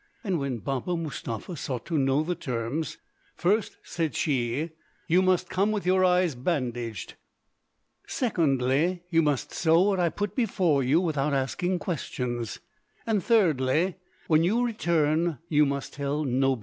And when Baba Mustapha sought to know the terms, "First," said she, "you must come with your eyes bandaged; secondly, you must sew what I put before you without asking questions; and thirdly, when you return you must tell nobody."